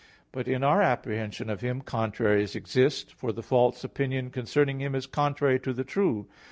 But in our apprehension of Him contraries exist, for the false opinion concerning Him is contrary to the true.